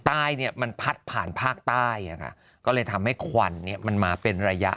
ใต้เนี่ยมันพัดผ่านภาคใต้อ่ะค่ะก็เลยทำให้ควันเนี่ยมันมาเป็นระยะ